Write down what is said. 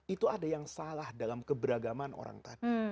itu ada yang salah dalam keberagaman orang tadi